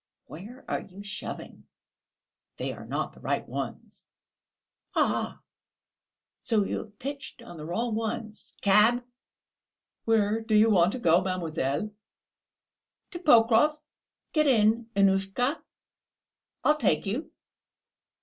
"Where are you shoving?" "They are not the right ones!" "Aha, so you've pitched on the wrong ones! Cab!" "Where do you want to go, mademoiselle?" "To Pokrov. Get in, Annushka; I'll take you."